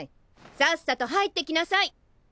さっさと入ってきなさい！